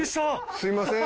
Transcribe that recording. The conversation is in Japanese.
すみません。